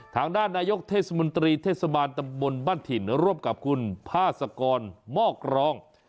ทางด้านนายกเทศมนตรีเทศบาลตำบลบ้านถิ่นร่วมกับคุณพาสกรมอกรอง